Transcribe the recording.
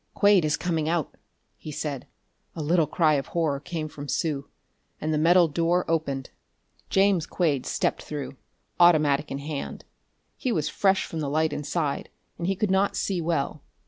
"Quade is coming out!" he said. A little cry of horror came from Sue. And the metal door opened. James Quade stepped through, automatic in hand. He was fresh from the light inside, and he could not see well.